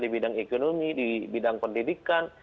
di bidang ekonomi di bidang pendidikan